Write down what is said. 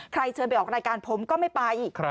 เชิญไปออกรายการผมก็ไม่ไป